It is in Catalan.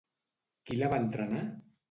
Qui la va entrenar?